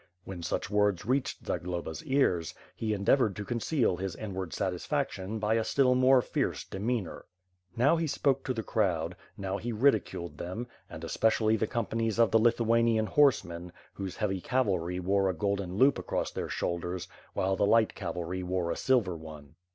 When such words reached Zagloba's ears, he endeavored to conceal his inward satisfaction by a still more fierce demicanor. Now he spoke to the crowd; now he ridiculed them, and especially the companies of the Lithuanian horsemen, whose heavy cavalry wore a golden loop across their shoulders, while the light cavalry wore a silver one.